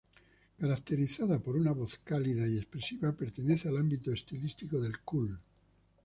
Caracterizada por una voz cálida y expresiva, pertenece al ámbito estilístico del "cool".